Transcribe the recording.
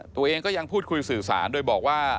ตัวเองก็ยังพูดคุยสื่อสารโดยบอกว่า